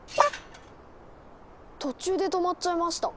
途中で止まっちゃいました。